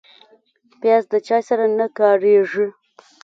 پیاز د چای سره نه کارېږي